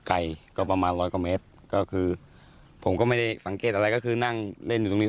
ไกลก็ประมาณร้อยกว่าเมตรก็คือผมก็ไม่ได้สังเกตอะไรก็คือนั่งเล่นอยู่ตรงนี้